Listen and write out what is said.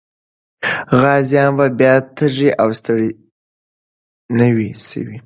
غازيان به بیا تږي او ستړي نه وي سوي.